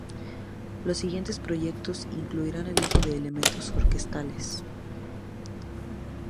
Los siguientes proyectos incluirán el uso de elementos orquestales.